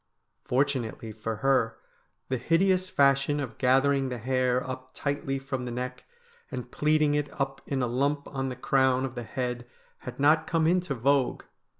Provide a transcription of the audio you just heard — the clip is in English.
Fortunately for her, the hideous fashion of gathering the hair up tightly from the neck and plaiting it up in a lump on the crown of the head had not come into vogue.